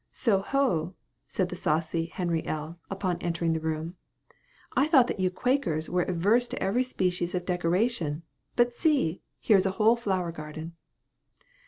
"So ho!" said the saucy Henry L., upon entering the room; "I thought that you Quakers were averse to every species of decoration; but see! here is a whole flower garden!"